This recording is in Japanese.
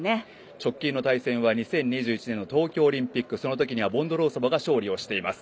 直近の対戦は２０２１年の東京オリンピックそのときにはボンドロウソバが勝利をしています。